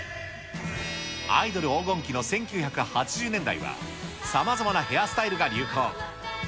アイドル黄金期の１９８０年代は、さまざまなヘアスタイルが流行。